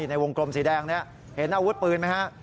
ในวงกลมสีแดงนี้เห็นอาวุธปืนไหมฮะ